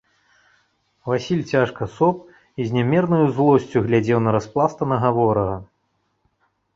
Васіль цяжка соп і з нязмернаю злосцю глядзеў на распластанага ворага.